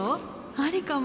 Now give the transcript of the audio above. ありかも！